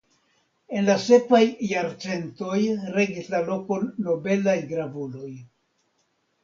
En la sekvaj jarcentoj regis la lokon nobelaj gravuloj.